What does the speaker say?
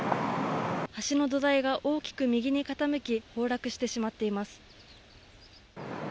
橋の土台が大きく右に傾き、崩落してしまっています。